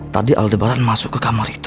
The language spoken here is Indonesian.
tadi aldebaran masuk ke kamar itu